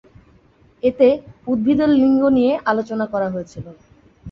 এতে উদ্ভিদের লিঙ্গ নিয়ে আলোচনা করা হয়েছে।